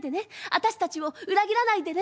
私たちを裏切らないでね。